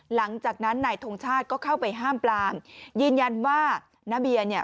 หลังจากนั้นนายทงชาติก็เข้าไปห้ามปลามยืนยันว่าณเบียร์เนี่ย